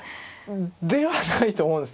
ではないと思うんです。